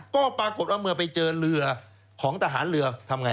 ก็ปรากฏว่าเมื่อไปเจอเหลือของทหารเหลือทำอย่างไร